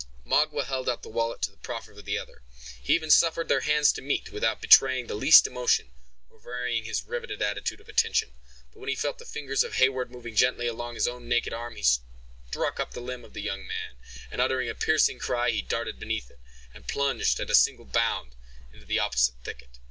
Magua held out the wallet to the proffer of the other. He even suffered their hands to meet, without betraying the least emotion, or varying his riveted attitude of attention. But when he felt the fingers of Heyward moving gently along his own naked arm, he struck up the limb of the young man, and, uttering a piercing cry, he darted beneath it, and plunged, at a single bound, into the opposite thicket.